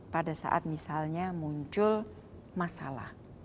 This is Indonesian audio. pada saat misalnya muncul masalah